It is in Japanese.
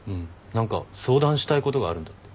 何か相談したいことがあるんだって。